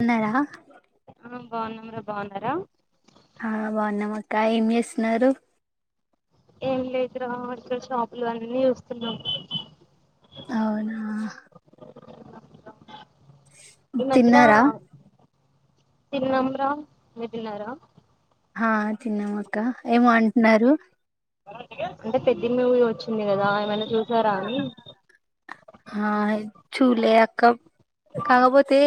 ఉన్నరా ఆ బాగున్నామురా బాగున్నారా ఆ బాన్నామక్క ఏం చేస్తున్నారు ఏం లేదు రా అసలు షాపులు అన్నీ చూస్తున్నాం అవునా ఈ మధ్యనా తిన్నారా తిన్నామురా మీరు తిన్నారా హా తిన్నామక్క ఏమో అంటున్నారు అంటే పెద్ది మూవీ వచ్చింది కదా ఏమైనా చూసారా అని హా చూలే అక్క కాకపోతే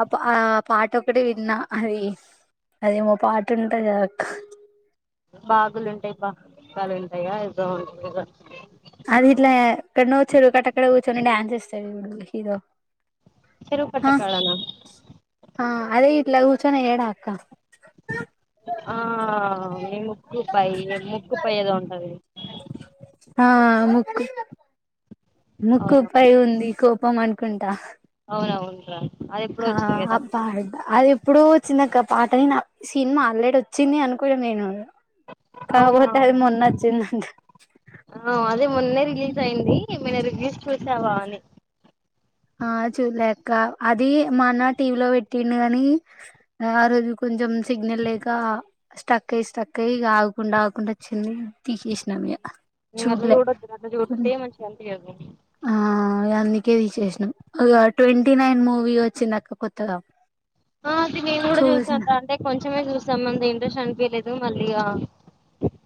ఆ ఆ పాట ఒక్కటి విన్నా అది అదేమో పాట ఉంటాది కద అక్క బాగులుంటాయి బాకాలు ఉంటాయా సాంగ్ అది ఇట్లా ఎక్కడనో చెరువు కట్ట కాడ కూర్చొని డ్యాన్స్ చేస్తాడు చూడు హీరో చెరువు కట్ట ఆ కాడ నా ఆ అదే ఇట్లా కూర్చొని ఎయ్యడా అక్క ఆ మీ ముక్కు పై ముక్కు పై ఏదో ఉంటది ఆ ముక్కు అవునా ముక్కుపై ఉంది కోపం అనుకుంటా అవునవునురా అది ఎప్పుడో హ వచ్చింది కదా అబ్బా అదిప్ ఇప్పుడు వచ్చిందిక్క పాటైనా సినిమా ఎల్రెడీ వచ్చింది అనుకోడం నేను అవునా కాకపోతే అది మొన్న వచ్చిందంట ఆ అదే మొన్నే రిలీజ్ అయింది ఏమైనా రివ్యూస్ చూసావా అని ఆ చూళ్లే అక్క అది మా అన్న టీవీలో పెట్టిండు కని ఆరోజు కొంచెం సిగ్నల్ లేక స్టక్ అయి స్టక్ అయ్య ఆగకుండా ఆకుండా వచ్చింది తీసేసినామిగ చూడలే కొ కనిపియ్యకు ఆ అందుకే తీసేసినం ఇగ ట్వంటీ నైన్ మూవీ వచ్చిందక్క కొత్తగా ఆ అది నేను కూడా చూసిన చూసాన్ర అంటే కొంచెమే చూసాం మంది ఇంట్రెస్ట్ అనిపిలేదు మళ్ళీగా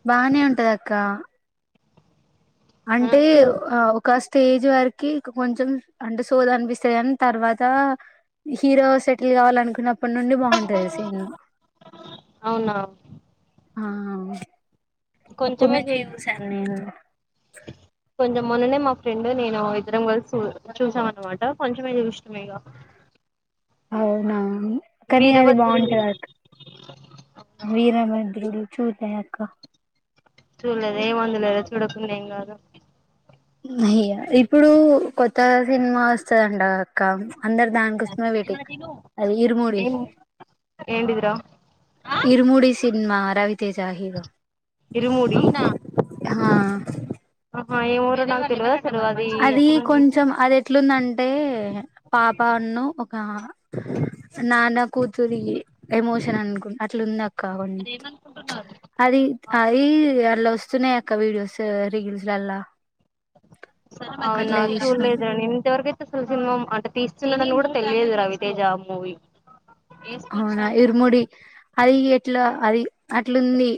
బానే ఉంటదక్క ఆ అంటే చూ ఆ ఒక స్టేజ్ వరకి ఇక కొంచం అంటే సోద అనిపిస్తది కానీ తర్వాత హీరో సెటిల్ కావాలనుకున్నప్ అప్పటి నుండి బాగుంటంది సీన్ అవునా ఆ అప్పుడు కొంచమే చూ నుంచే చూసాను నేను కొంచెం మొన్ననే మా ఫ్రెండ్ నేను ఇద్దరం కలిసి చూ చూసాం అనమాట కొంచెమే చూసినం ఇగ అవునా కనీ అది వీరభద్రుడు బాగుంటది అక్ వీరమద్రుడు చూలయాక చూ లేదే ఏముంది లేద చూడుకున్న ఎమ్ కాదు. అయ్య ఇప్పుడు కొత్త సినిమా వస్తుందంట అక్క అందరు దాని కోసమే వెయిటింగ్ అది ఇరుమూడి ఏం ఏంటిదిరా ఇరుముడి సినిమా రవితేజ హీరో ఇరుమూడి నా హా ఆహా రా ఏమో నాకు తెల్వదు అది కొంచెం అది ఎట్లుందంటే పాపఉన్ను నాన్న కూతురి ఎమోషన్ అనుకుంట అట్లాంది. అక్క అవును అది అది అల్లా వస్తున్నాయి. అక్క వీడియోస్ రీల్స్ లాల్ల అవునా చూసినాం చూళ్ళేదుర నేనింత వరకూ అసలు సినిమా అంటే తీస్తున్నదని కూడా తెలియదు రవితేజ మూవీ అవునా ఇరుముడి అది ఎట్లా అది అట్లుంది.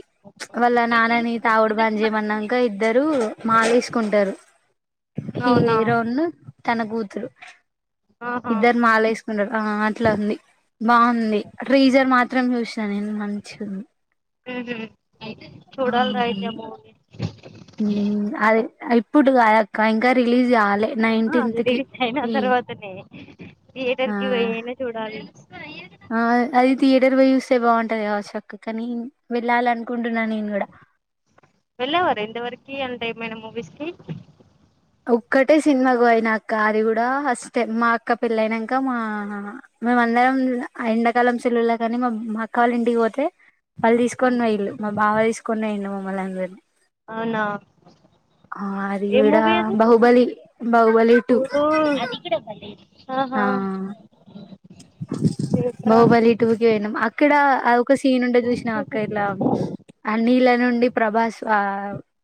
వాళ్ళ నాన్నని తావుడు బని చేేయమన్నాక ఇద్దరు మాాలేసుకుంటారు అవునా హీరో ఉన్నూ తన కూూతురు ఆహా ఇద్దరు మాాల వేసుకుంటారు. ఆ అట్లా ఉంది ఉంది. ట్రీజర్ మాత్రం చూసినా నేను మంచి ఉంది అ [unintelligible] ఆహా అదే ఇప్పుడు కాదక్కా ఇంకా రిలీజ్ కాలే నైన్టీన్త్ కి ఈ అనే ఆ థియటర్కి పోయిన చూడాలి. ఆ అది థియేటర్ పోయి చూస్తే బాగుంటది. కావచక్క కానీ వెళ్ళాలి. అనుకుంటున్నా నేను కూడా వెళ్ళేవారా ఇనతవరకు అంటే ఏమైనా మూవీస్ కి ఒక్కటే సినిమాకు పోయినక్క అది కూడా అస్తే మా అక్క పెళ్ళయినాక మా మేమ అందరం ఎండాకాలం సెలవులకుకాని మా అక్క వాళ్ళ ఇంటికి పోతే వాళ్ళు తీసుకొని పోయిళ్ళు మా బావ తీసుకొని వేండు మమ్మల్ని అందరిని అవునా ఆ ఏ అదికూడా బాహుబలి బాహుబలి టూ ఓ అదిహా ఆ [unintelligible] బాహుబలి టూ కిేనాం అక్కడ సీన్ ఉంటది చూసినవా అక్కిల ఆ నీళ్ళ నుండి ప్రభాస్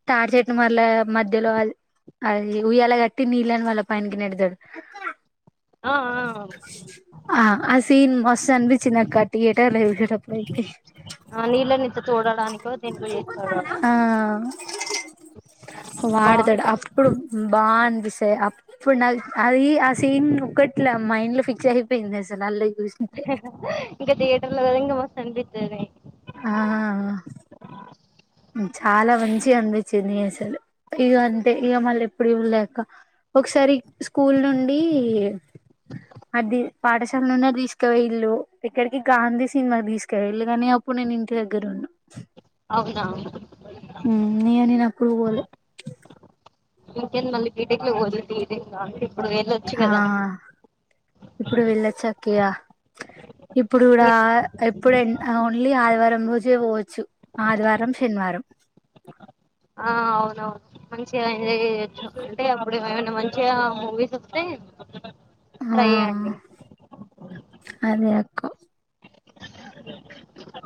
తాడిచెట్టు మర్ల మధ్యలో అది ఉయ్యలా కట్టి నీళ్ళని వాళ్ళ పైన్కి నెడదాడు. ఆ ఆ ఆ ఆ సీన్ మస్త్ అనిపించింది అక్క థియేటర్ లో చూసెట్టపడయితే ఆ నీళ్ళనింత చూడడానికో దేనికో చేస్తాడు వాడు ఆ వాడదాడు బాగుంటది అప్పు ఇప్పుడు బా అనిపిస్తాయి. అప్పుడు నా అది ఆ సీన్ ఒకట్లా మైండ్ లో ఫిక్స్ అయి పస న ూ [unintelligible] ఇంకా థియేటర్ లో కద ఇంకా మస్తు అనిపిస్తుంది. ఆహా చాలా మంచిగా అనిలించింది. అసలు ఇకఅంతే ఇక మళ్ళీ ఎప్పుడు చూడలే అక్క ఒకసారి స్కూల్ నుండి అది పాఠశాలనున్న గ్రీస్కో ఇల్లు ఇక్కడికి గాంధీ సినిమా తీసు [unintelligible] ప్పుడు నేను ఇంటి దగ్గర ఉన్నా అవునా ఊ నియ నేనక్కుడు పోలే ఇంకెంది మళ్ళ బీ టెక్ లో [unintelligible] ఆ ఇప్పుడు వెళ్ళచ్చు అక్కియా ఇప్పుడు కూడా ఏ ప్పుడు ఎన్ ఓన్లీ ఆదివారం రోజే పోవచ్చు ఆదివారం శనివారం ఆ అవునువును మంచిగా ఎంజాయ్ చేయచ్చు అంటే అప్పుడు ఏమైనా మంచిగా మూవీస్ వస్తే ఆ ట్రై చేయండి అదే అక్క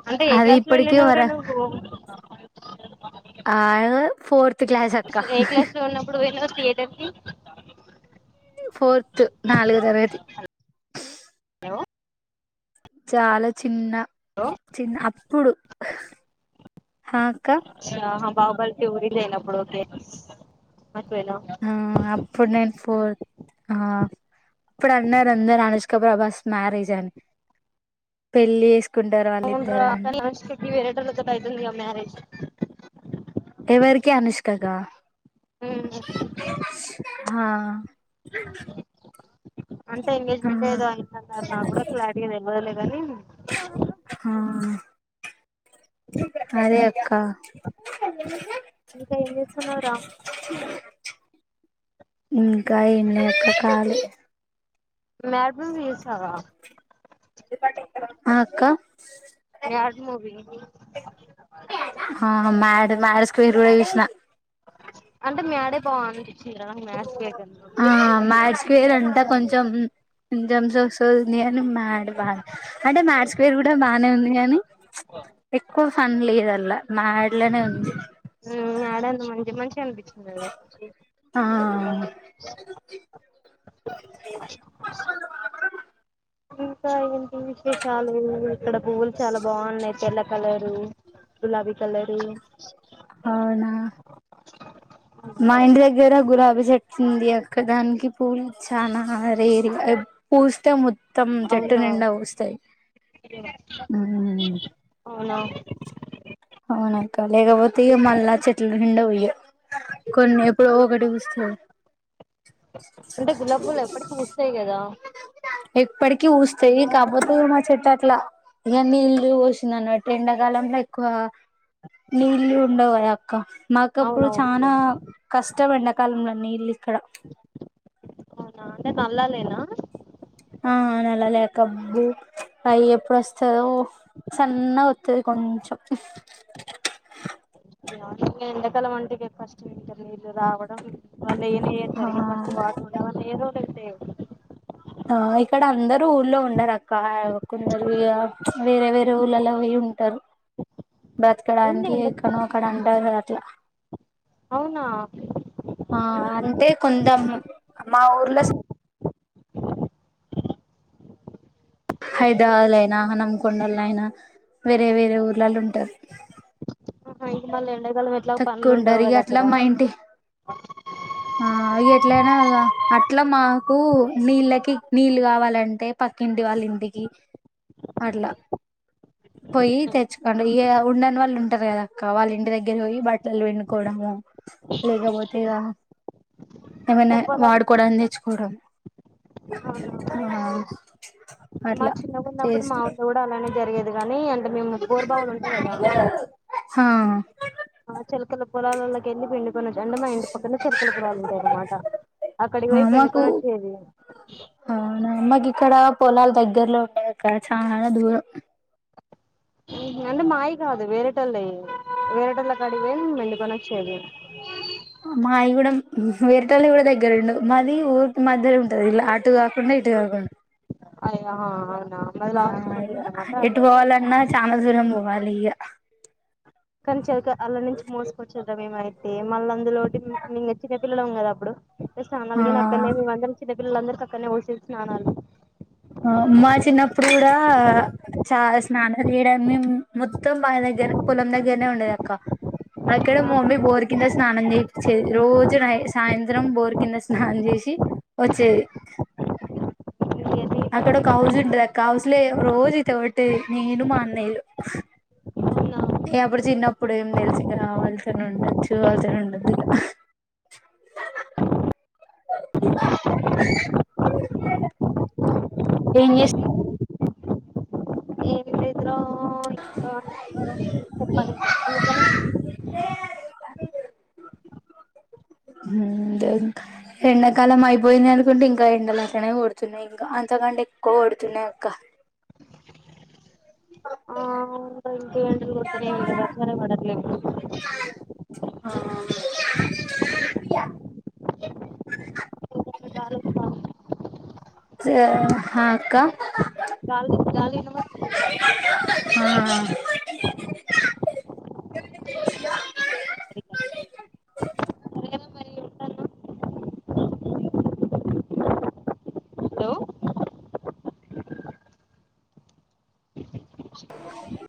అంటే ఏ అది క్లాస్ లో ఇప్పటికి ఎల్లినవ్ వర రా నువ్వు ఆయ్ దే ఫోర్ అసలు ఏ క్లాస్ లో ఉన్నప్పుడు వెళ్ళావ్ థియేటర్ కి ఫోర్త్ నాలుగో తరగతి చాలా చిన్న చిన్న అప్పుడు హా ఆక్క చ్చా హా బాహుబలి టూ రిలీ అయినప్పుడు ఒకే ఒకవేళ ఊ అప్పుడు నేను ఫోర్త్ ఆ ప్పుడు అన్నారు అందరూ అనుష్క ప్రభాస్ మ్యారేజ్ అని పెళ్ళి ఏస్ అవును రా కానీ అనుష్క కి వేరేటోళ్ళతోటి అయితుంది గా మ్యారేజ్ ఎవరికి అనుష్క కా ఉమ్ [inaudible] హా అంటే ఆ ఎంగేజ్మెంట్ ఏదో అయ్యిందన్నారు నాకు కూడా క్లారిటీ గా తెల్వదులే కానీ హా అదే అక్క ఇంకా ఏం చేస్తున్నావురా ఇంకా ఏం లేదు అక్క ఖాళీ నార్మల్ గా ఏసావా ఆ అక్క మ్యాడ్ మూవీ లో హా ఆ మ్యాడ్ మ్యాడ్ [inaudible] చూసినా అంటే మ్యాడే బావుంది ఆ మాజ్ స్వేర్ అంటా కొంచెం [unintelligible] అంటే మ్యాడ్స్ పేరు కూడా బానే ఉంది కగానీ ఎక్కువ ఫన్ లేదు అల్లా మాడ్ లనేఉంది ఊ మ్యాడ్ అంతా మంచి మంచిగా అన్పిచ్చింది [inaudible] ఆ [inaudible] ఇంకా ఏంటి విశేషాలు ఇక్కడ పువ్వులు చాలా బావున్నాయి తెల్ల కలరు గులాబీ కలరు అవునా మా ఇంటి దగ్గర గులాబీ సెట్స్ ఉంది అక్కడ దానికి పువ్వులు చానా రేర్ గా పూస్తే మొత్తం చెట్టు అవునా నిండా పూస్తాయి అవునా అవునక్క లేకపోతే ఇగ మళ్ళా చెట్లు నిండా పుయ్య కొన్ని ఎప్పుడో ఒకటి వస్త అంటే గులాబ్ పూలు ఎప్పటికీ పూస్తాయి కదా ఎప్పటికి పూస్తాయి కాపోతే మా చెట్టు అట్లా ఇక నీళ్ళు పోసింది అన్నట్టు ఎండాకాలంలో ఎక్కువ నీళ్ళ ఉండవు అక్క మాక అప్పు అవునవునులే చానా కష్టం ఎండాకాలంలోన్నీ నీల్ ఇక్కడ అవునా అంటే నల్లాలేనా ఆ అలా [unintelligible] లేకబ్బు అవి ఎప్పుడు వస్తందో సన్న వస్తుది కొంచం ఎడాకాలం అంటే కష్టం [unintelligible] ఏంట నీళ్ళు రావడం [unintelligible] వంద ఏ ఏ ఆ సరిగ ఫస్ట్ వాటరుండాలి లేదంటే ఎయ్యం ఆ ఇక్కడ అందరు ఊళ్ళ ఉండరు అక్క కొందరు ఇగ వేరే వేరే ఊళ్ళలో పోయ్యింటారు ఏంది బ్రతుకడానికి ఎండ ఎక్కనో అక్కడా అంటారు కదా అట్లా అవునా ఆ అంటే కొందం మా ఊర్లో హైదరాబాద్ లో అయినా హనమకొండలో అయినా వేరే వేరే ఊర్లలో ఉంటారు ఆహా ఇటు మల్లి ఎండకాలమే తక్కువ ఉంటారు ఇగ అట్లా మా ఇంటి ఆ ఎట్లయినా అట్లా మాకు నీళ్ళకి నీళ్ళు కావాలంటే పక్కింటి వాళ్ళ ఇంటికి అట్లా పోయి తెచ్చుకోండి ఇగ ఉండని వాళ్ళు ఉంటారు కదాక్క వాళ్ళ ఇంటి దగ్గర దగ్గర పోయి బట్టలు పిండుకోవడము ఇంగ లేకపోతే ఏమైనా పొలాలు వాడుకోవడానికి తెచ్చుకోవడం అవును ఆ మా అట్లా చిన్నగాన్నప్పుడు మావతో కూడా అలానే జరిగేది కాని అ హా ఆ చిలకల పొలాలలోకి ఎల్లి పిండికొనచ్చు అంటే మా ఇంటి పక్కన చిలకల పొలాలు ఉంటాయి అన్నమాట అక్కడికి ఆ పోయి మాకు పిండుకొనోచ్చేది అవునా అమ్మాయికి ఇక్కడ పొలాలు దగ్గరలో ఉండయిక్కడ చాలా దూరం అంటే మాయి కాదు వేరేటోళ్ళవి వేరేటోళ్ళ కాడిగిపోయి మేం పిండుకొనొచ్చేది మాయి కూడా వేరటోల్లవి కూడా దగ్గరండవు మాది ఊరికి మధ్యలో ఉంటది ఇలా అటు కాకుండా ఇటు కాకుండా అయ్యో అవునా మాది ఆ లాస్ట్ కి ఉంటది అన్నమాట ఎటు అందుకే పోవలన్నా చానా దూరం పోవాలి ఇగ కానీ చిలక అలళ్ళోంచి మోసుకొచ్చేటం మేమ అయితే మళ్ళీ అందులోటి ఇంగ చిన్న పిల్లలం కదా అప్పుడు ఆ స్నాలగిన అక్కడనే మేమందరు చిన్నపిల్లందరికి అక్కడనే పోసేది స్నానాలు ఆ మా చిన్నప్పుడు కూడా చా స్నానం చేయడాన్ని మొత్తం బాయి దగ్గర పొలం దగ్గరనే ఉండేద అక్క అక్కడ మా మమ్మీ బోర్ కింద స్నానం చేపిచ్చేది రోజు సాయంత్రం బోర్ కింద స్నానం చేసి వచ్చేది అక్కడ ఒక హౌస్ ఉంటది అక్క హౌస్ లే రోజు ఈత కొట్టేది నేను మా అన్నయ్యలు అప్పుడు చిన్నప్పుడు ఏం తెలిసి కావాల్సనే ఉండచ్చ చూవాల్సనే [unintelligible] ఉండదుగా [inaudible] ఏం చేస్ ఏంచేస్తున్నావ్ ఇంకా ఇం చెప్పాలి ఇంకా ఏం చేస్తున్నావ్ దాగ్ ఎండాకాలం అయిపోయింది అనుకుంటే ఇంకా ఎండలక్కనే కొడుతున్నాయి ఇంకా అంతకంటే ఎక్కువ కొడుతున్నాయి అక్క అ ఇంక ఎండలు కొడుతున్నాయి ఇక వర్షాలు పడట్లేదు ఇక్కడ ఆ ద అ అక్క గాలి గాలికి వినబడుతుందా ఆ సరిగా సరేనా మరి ఉంటాను హలో అ